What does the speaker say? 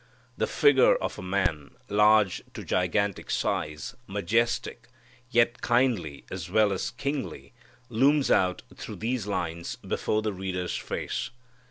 The figure of a man, large to gigantic size, majestic, yet kindly as well as kingly, looms out through these lines before the reader's face.